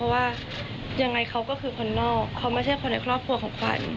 เพราะว่ายังไงเขาก็คือคนนอกเขาไม่ใช่คนในครอบครัวของขวัญ